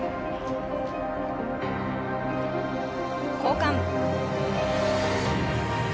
交換。